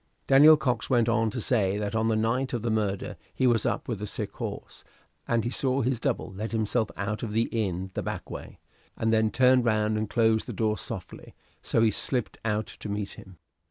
Daniel Cox went on to say that on the night of the murder he was up with a sick horse, and he saw his double let himself out of the inn the back way, and then turn round and close the door softly; so he slipped out to meet him.